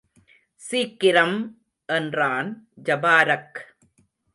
சீக்கிரம்! என்றான் ஜபாரக்.